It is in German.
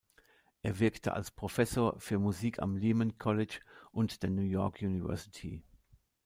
Er wirkte als Professor für Musik am Lehman College und der New York University.